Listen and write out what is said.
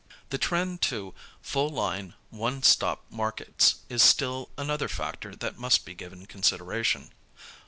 The trend to full line, one stop markets is still another factor that must be given consideration.